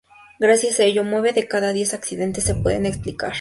Gracias a ellos, nueve de cada diez accidentes, se pueden explicar.